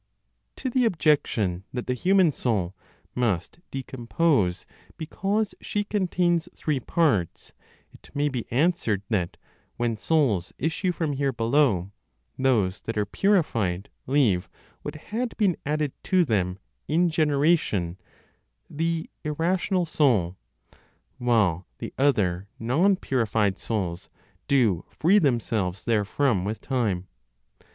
To the objection that the human soul must decompose because she contains three parts, it may be answered that, when souls issue from here below, those that are purified leave what had been added to them in generation (the irrational soul,) while the other non purified souls do free themselves therefrom with time.